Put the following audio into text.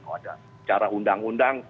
ada cara undang undang